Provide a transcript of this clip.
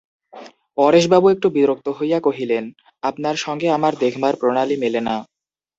পরেশবাবু একটু বিরক্ত হইয়া কহিলেন, আপনার সঙ্গে আমার দেখবার প্রণালী মেলে না।